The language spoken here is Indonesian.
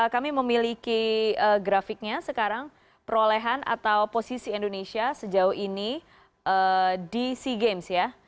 kami memiliki grafiknya sekarang perolehan atau posisi indonesia sejauh ini di sea games ya